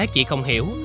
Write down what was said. chị không hiểu